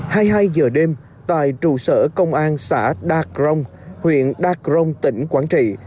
hai mươi hai h đêm tại trụ sở công an xã đắk rông huyện đắk rông tỉnh quảng trị